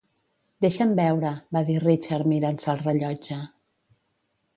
"Deixa'm veure", va dir Richard mirant-se el rellotge.